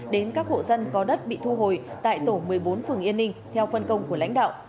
đến các hộ dân có đất bị thu hồi tại tổ một mươi bốn phường yên ninh theo phân công của lãnh đạo